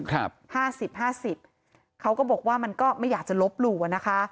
ห้าสิบห้าสิบเขาก็บอกว่ามันก็ไม่อยากจะลบหลู่อ่ะนะคะ